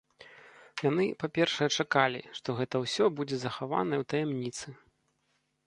Яны, па-першае, чакалі, што гэта ўсё будзе захаванае ў таямніцы.